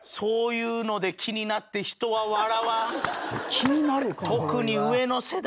気になるかな？